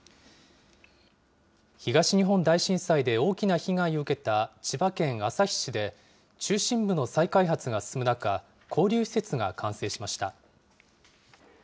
東日本大震災で大きな被害を受けた千葉県旭市で、中心部の再開発が進む中、交流施設が完成しました。